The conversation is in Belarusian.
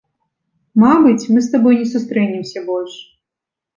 Мабыць, мы з табой не сустрэнемся больш.